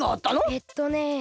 えっとね。